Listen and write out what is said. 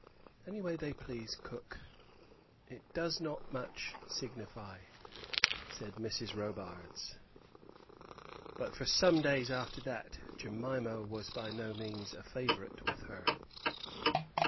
"Any way they please, cook; it does not much signify," said Mrs. Robarts. But for some days after that Jemima was by no means a favourite with her.